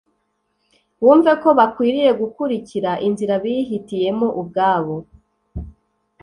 bumve ko bakwiriye gukurikira inzira bihitiyemo ubwabo